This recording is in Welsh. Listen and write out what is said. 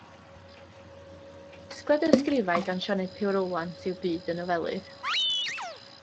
Casgliad o ysgrifau gan Sioned Puw Rowlands yw Byd y Nofelydd.